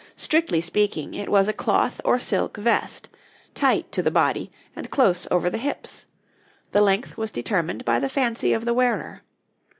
Strictly speaking, it was a cloth or silk vest, tight to the body, and close over the hips; the length was determined by the fancy of the wearer.